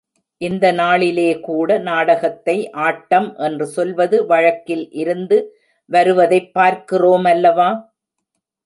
இந்த நாளிலே கூட நாடகத்தை ஆட்டம் என்று சொல்வது வழக்கில் இருந்து வருவதைப் பார்க்கிறோமல்லவா?